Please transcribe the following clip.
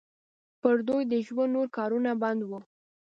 پر دوی د ژوند نور کارونه بند وو.